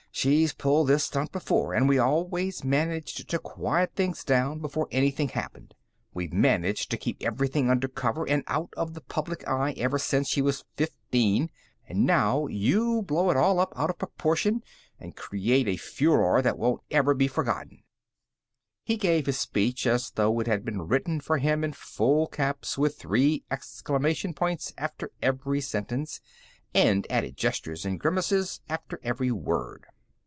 She's pulled this stunt before, and we always managed to quiet things down before anything happened! We've managed to keep everything under cover and out of the public eye ever since she was fifteen, and now you blow it all up out of proportion and create a furore that won't ever be forgotten!" He gave his speech as though it had been written for him in full caps, with three exclamation points after every sentence, and added gestures and grimaces after every word.